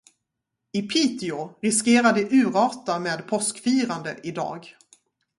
I Piteå riskerar det urarta med påskfirande idag.